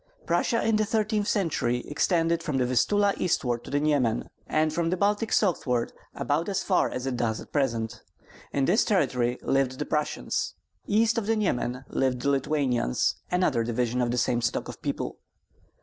Prussia in the thirteenth century extended from the Vistula eastward to the Niemen, and from the Baltic southward about as far as it does at present. In this territory lived the Prussians. East of the Niemen lived the Lithuanians, another division of the same stock of people.